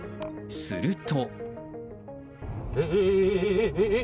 すると。